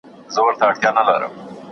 د بازار شور تر ماښامه روان و.